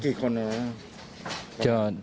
กี่คนหนึ่ง